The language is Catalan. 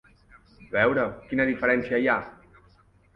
A veure, quina diferència hi ha?